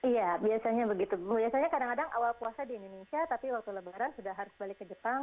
iya biasanya begitu biasanya kadang kadang awal puasa di indonesia tapi waktu lebaran sudah harus balik ke jepang